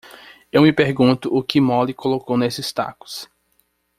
Eu me pergunto o que Molly colocou nesses tacos?